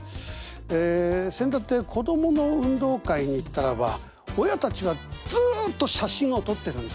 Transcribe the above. えせんだって子供の運動会に行ったらば親たちがずっと写真を撮ってるんですね。